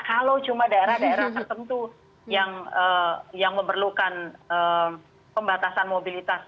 kalau cuma daerah daerah tertentu yang memerlukan pembatasan mobilitas